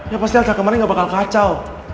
ya pasti angka kemarin gak bakal kacau